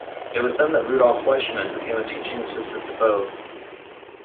It was then that Rudolf Fleischmann became a teaching assistant to Bothe.